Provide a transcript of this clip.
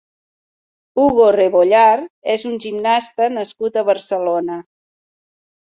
Hugo Rebollar és un gimnasta nascut a Barcelona.